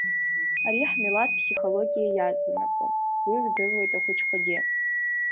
Ари ҳмилаҭ ԥсихологиа иаҵанакуам уи рдыруеит ахәыҷқәагьы.